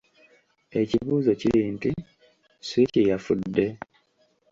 Ekibuuzo kiri nti Switch yafudde?